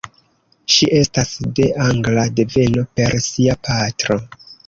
Ŝi estas de angla deveno per sia patro.